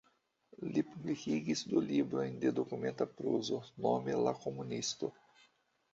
Li publikigis du librojn de dokumenta prozo, nome "La Komunisto".